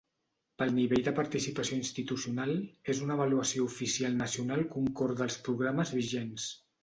Pel nivell de participació institucional, és una avaluació oficial nacional concorde als programes vigents.